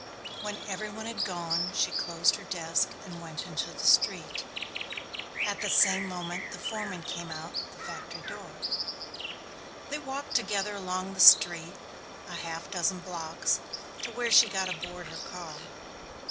When every one had gone she closed her desk and went into the street. At the same moment the foreman came out at the factory door. They walked together along the street, a half dozen blocks, to where she got aboard her car.